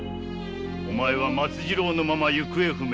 お前は松次郎のまま行方不明。